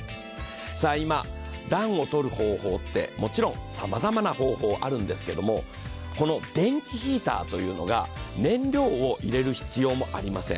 今、暖をとる方法ってもちろんさまざまな方法あるんですけれども、電気ヒーターというのが燃料を入れる必要もありません。